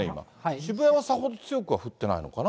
渋谷はさほど強くは降っていないのかな。